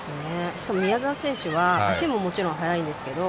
宮澤選手は足ももちろん速いんですけど